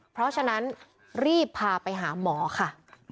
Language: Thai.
เพราะฉะนั้นรีบพาไปหาหมอค่ะ